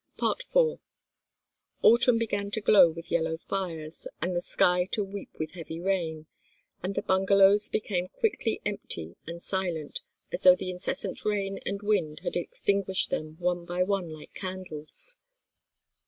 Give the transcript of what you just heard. IV Autumn began to glow with yellow fires, and the sky to weep with heavy rain, and the bungalows became quickly empty, and silent, as though the incessant rain and wind had extinguished them one by one, like candles.